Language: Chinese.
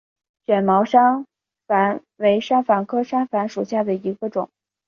卷毛山矾为山矾科山矾属下的一个种。